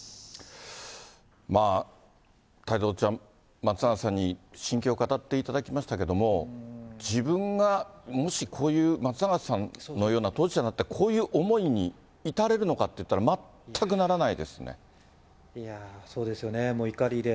太蔵ちゃん、松永さんに心境を語っていただきましたけれども、自分がもしこういう、松永さんのような当事者になったら、こういう思いに至れるのかといったら、いやー、そうですよね、怒りで。